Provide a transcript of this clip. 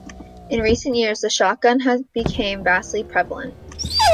In recent years, the shotgun has become vastly prevalent.